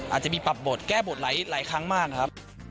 อาจจะมีปรับบทแก้บทหลายครั้งมากนะครับ